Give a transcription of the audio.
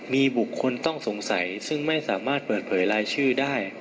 มีบุคคลต้องสงสัยซึ่งไม่สามารถเปิดเผยรายชื่อได้